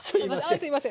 すいません。